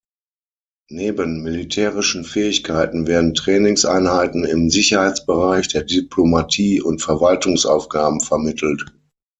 Neben militärischen Fähigkeiten werden Trainingseinheiten im Sicherheitsbereich, der Diplomatie und Verwaltungsaufgaben vermittelt.